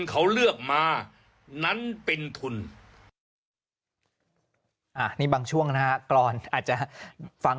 เขาเลือกมานั้นเป็นทุนนี่บางช่วงนะฮะกรอนอาจจะฟัง